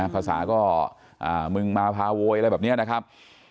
ภาษาก็มึงมาพาโวยอะไรแบบนี้นะครับ